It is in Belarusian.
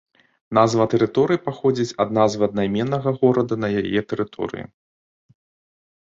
Назва тэрыторыі паходзіць ад назвы аднайменнага горада на яе тэрыторыі.